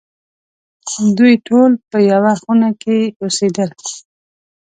دوی ټول په یوه خونه کې اوسېدل.